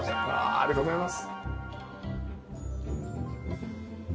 ありがとうございます。